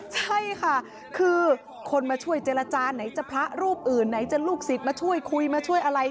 ใช่ค่ะคือคนมาช่วยเจรจาไหนจะพระรูปอื่นไหนจะลูกศิษย์มาช่วยคุยมาช่วยอะไร